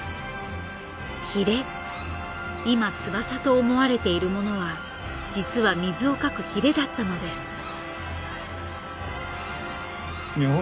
今翼と思われているものは実は水をかくヒレだったのです。